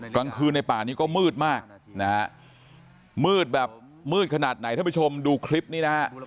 กลางคืนในป่านี้ก็มืดมากนะฮะมืดแบบมืดขนาดไหนท่านผู้ชมดูคลิปนี้นะฮะ